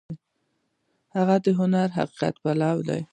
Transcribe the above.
هغه د هنر او حقیقت پلوی دی.